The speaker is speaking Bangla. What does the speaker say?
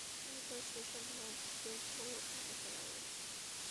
একদল সেই সব ভোগ্যদ্রব্য রক্ষা করতে লাগল।